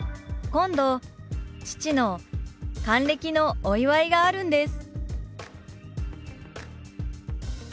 「今度父の還暦のお祝いがあるんです」。